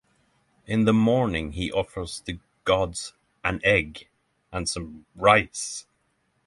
In the morning he offers the gods an egg and some rice.